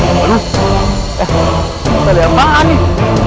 eh ini apaan nih